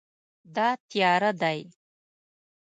دا تیاره دی